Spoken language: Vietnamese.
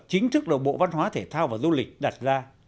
chính thức đầu bộ văn hóa thể thao và du lịch đặt ra